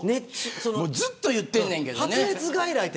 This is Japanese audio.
ずっと言ってんねんけどね。